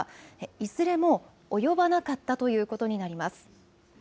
いずれも及ばなかったということになります。